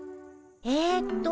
えっと